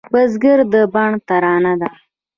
بزګر د بڼ ترانه ده